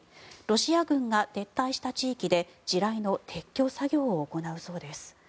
ロシア軍が撤退した地域で地雷の撤去作業を行うそうです。